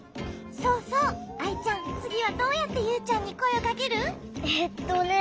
そうそうアイちゃんつぎはどうやってユウちゃんにこえをかける？えっとね。